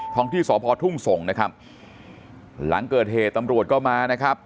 งที่สพทุ่งส่งนะครับหลังเกิดเหตุตำรวจก็มานะครับ